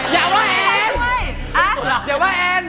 อยากว่าแอน